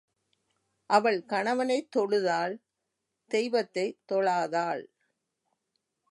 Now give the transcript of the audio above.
அவள் கணவனைத் தொழுதாள் தெய்வத்தைத் தொழாதாள்.